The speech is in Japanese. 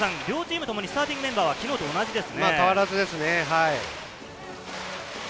宇都宮もスターティングメンバーは昨日と同じです。